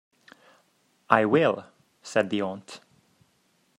‘I will,’ said the aunt.